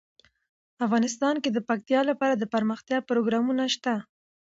افغانستان کې د پکتیا لپاره دپرمختیا پروګرامونه شته.